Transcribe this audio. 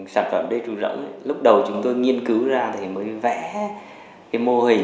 sản phẩm d trụ rỗng lúc đầu chúng tôi nghiên cứu ra thì mới vẽ mô hình